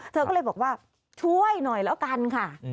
เธอก็เลยบอกว่าช่วยหน่อยแล้วกันค่ะ